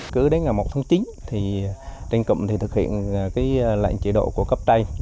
cứ đến ngày một tháng chín tỉnh cụm thực hiện lệnh chế độ của cấp tay